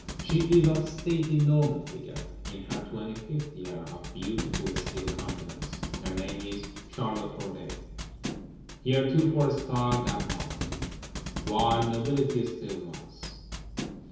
She is of stately Norman figure: in her twenty fifth year; of beautiful still countenance: her name is Charlotte Corday, heretofore styled D'Armans, while Nobility still was.